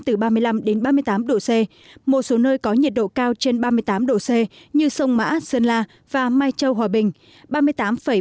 từ ba mươi năm đến ba mươi tám độ c một số nơi có nhiệt độ cao trên ba mươi tám độ c như sông mã sơn la và mai châu hòa bình